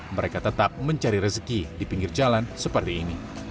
mereka tetap mencari rezeki di pinggir jalan seperti ini